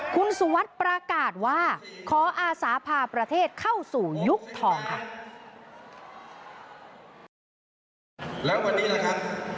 คุณสุวัสดิ์ประกาศว่าขออาสาพาประเทศเข้าสู่ยุคทองค่ะ